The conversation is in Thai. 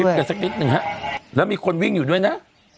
กันสักนิดหนึ่งฮะแล้วมีคนวิ่งอยู่ด้วยนะ